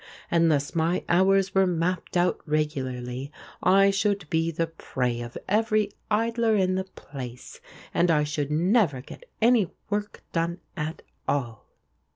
Unless my hours were mapped out regularly I should be the prey of every idler in the place and I should never get any work done at all."